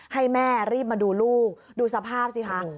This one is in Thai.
ให้แม่รีบมาดูลูกดูสภาพสิคะ